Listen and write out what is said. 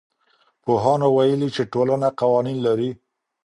پوهانو ويلي چي ټولنه قوانين لري.